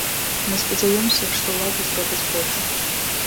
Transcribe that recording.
Мы спадзяёмся, што ўлады зробяць больш.